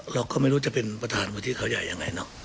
เราก็ไม่รู้จะเป็นประธานวุฒิเขาใหญ่ยังไงเนอะ